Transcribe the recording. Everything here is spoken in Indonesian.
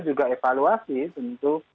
juga evaluasi tentu